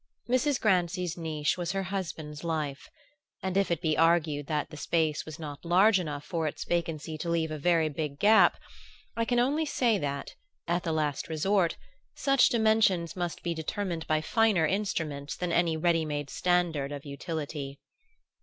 Mrs. Grancy's niche was her husband's life; and if it be argued that the space was not large enough for its vacancy to leave a very big gap, I can only say that, at the last resort, such dimensions must be determined by finer instruments than any ready made standard of utility.